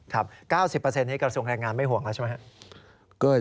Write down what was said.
๙๐นี้กระทรวงแรงงานไม่ห่วงแล้วใช่ไหมครับ